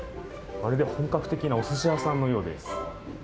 まるで本格的なおすし屋さんのようです。